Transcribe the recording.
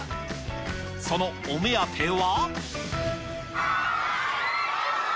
そのお目当ては。